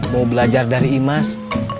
mau belajar dari imas